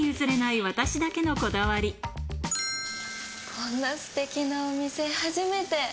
こんなすてきなお店初めて。